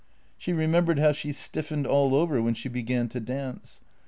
She remembered how she stiffened all over when she began to dance.